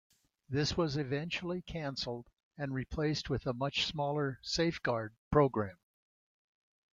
This was eventually cancelled and replaced with the much smaller Safeguard Program.